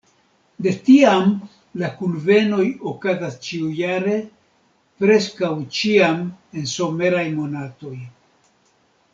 De tiam la kunvenoj okazas ĉiujare, preskaŭ ĉiam en someraj monatoj.